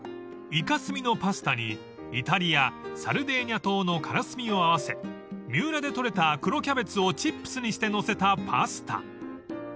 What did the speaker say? ［イカスミのパスタにイタリアサルデーニャ島のカラスミを合わせ三浦でとれた黒キャベツをチップスにして載せたパスタ］